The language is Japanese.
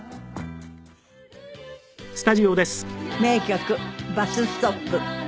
名曲『バス・ストップ』。